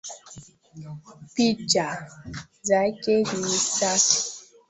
Picha zake ni safi